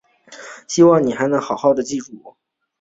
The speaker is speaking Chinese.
希望你还能很好地记住我。